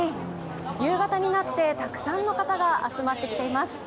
夕方になってたくさんの方が集まってきています。